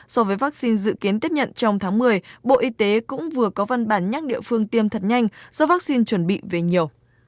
so với vaccine dự kiến tiếp nhận trong tháng một mươi bộ y tế cũng vừa có văn bản nhắc địa phương tiêm thật nhanh do vaccine chuẩn bị về nhiều